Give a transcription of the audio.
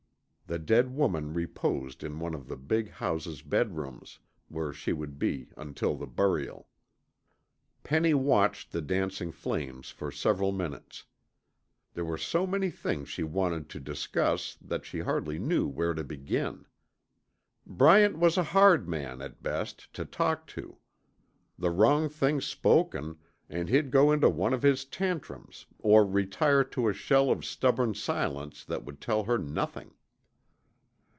The dead woman reposed in one of the big house's bedrooms, where she would be until the burial. Penny watched the dancing flames for several minutes. There were so many things she wanted to discuss that she hardly knew where to begin. Bryant was a hard man, at best, to talk to. The wrong thing spoken, and he'd go into one of his tantrums or retire to a shell of stubborn silence that would tell her nothing.